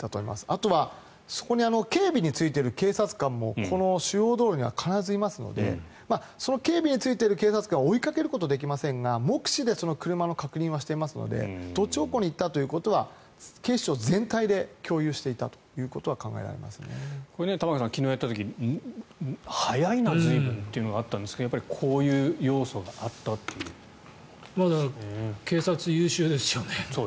あとはそこに警備についている警察官もこの主要道路には必ずいますので警備についている警察官が追いかけることはできませんが目視で車の確認はしていますのでどっち方向に行ったということは警視庁全体で共有していたとは玉川さん、昨日、やった時早いな随分というのがあったんですが警察、優秀ですよね。